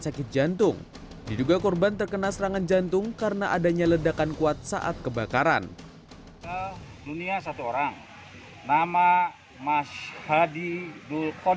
sementara itu pihak bpbd indramayu melaporkan satu orang meninggal dunia akibat insiden ledakan dan kebakaran di kilang minyak ru enam balongan indramayu jawa barat pada senin dinihari